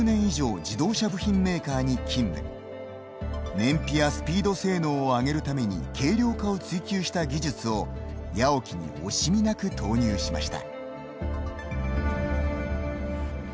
燃費やスピード性能を上げるために軽量化を追求した技術をＹＡＯＫＩに惜しみなく投入しました。